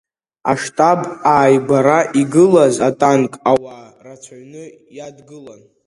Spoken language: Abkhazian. Аштаб ааигәара игылаз атанк ауаа рацәаҩны иадгылан.